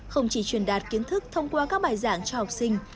không chỉ truyền đạt kiến thức thông qua các bài giảng cho học sinh